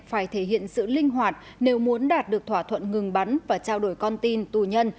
phải thể hiện sự linh hoạt nếu muốn đạt được thỏa thuận ngừng bắn và trao đổi con tin tù nhân